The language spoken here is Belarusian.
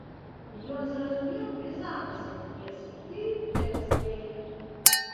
Ён зразумеў і замысел п'есы, і тэкст яе.